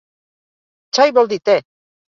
Chai vol dir tè!